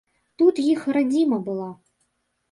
Тут іх радзіма была.